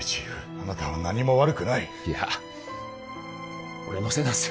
あなたは何も悪くないいや俺のせいですよ